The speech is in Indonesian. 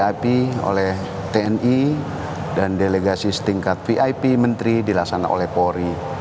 tapi oleh tni dan delegasi setingkat vip menteri dilaksanakan oleh polri